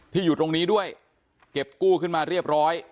อยู่ตรงนี้ด้วยเก็บกู้ขึ้นมาเรียบร้อย